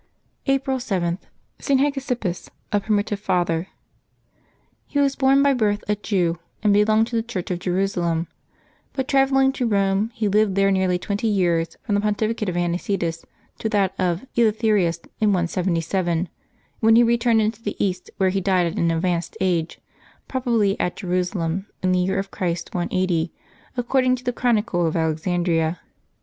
'' April 7. ST. HEGESIPPUS, a Primitive Father. nE was by birth a Jew, and belonged to the Church of Jerusalem, but travelling to Rome, he lived there nearly twenty years, from the pontificate of Anicetus to that of Eleutherius, in 177, when he returned into the East, where he died at an advanced age, probably at Jerusalem, in the year of Christ 180, according to the chronicle of Alexandria.